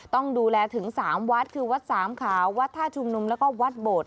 ต้องดูแลถึง๓วัดคือวัดสามขาววัดท่าชุมนุมแล้วก็วัดโบด